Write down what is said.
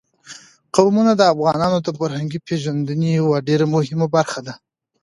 قومونه د افغانانو د فرهنګي پیژندنې یوه ډېره مهمه برخه ده.